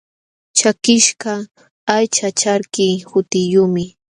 Chakiśhqa aycha charki hutiyuqmi.